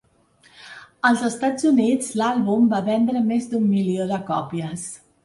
Als Estats Units, l'àlbum va vendre més d'un milió de còpies.